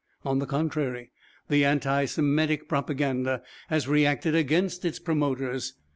On the contrary, the anti Semitic propaganda has reacted against its promoters.